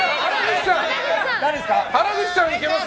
原口さん、いけます？